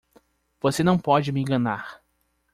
Você não pode me enganar!